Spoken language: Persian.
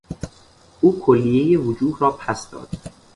او کلیهٔ وجوه را پس داد.